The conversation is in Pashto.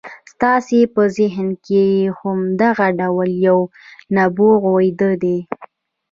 ستاسې په ذهن کې هم دغه ډول يو نبوغ ويده دی.